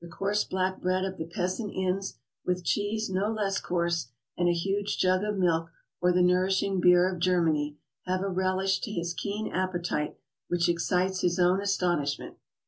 The coarse black bread of the peasant inns, with cheese no less coarse, and a huge jug of milk or the nourishing beer of Germany, have a relish to his keen appetite which excites his own astonishment.